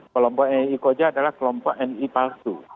kelompok nii koja adalah kelompok nii palsu